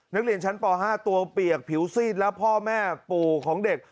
นักเรียนชั้นป๕ตัวเปียกผิวซีดและพ่อแม่ปู่ของเด็ก